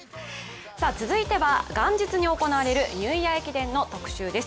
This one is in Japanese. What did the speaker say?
続いては元日に行われるニューイヤー駅伝の特集です。